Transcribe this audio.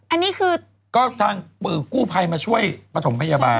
อันนี้คือก็ทางกู้ภัยมาช่วยประถมพยาบาล